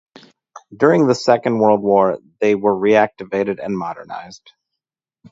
During the Second World War they were reactivated and modernised.